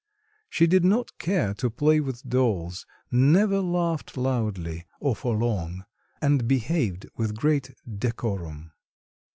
She did not care to play with dolls, never laughed loudly or for long, and behaved with great decorum.